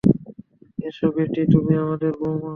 এসো, বেটি, তুমি আমাদের বৌমা।